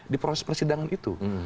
di proses persidangan itu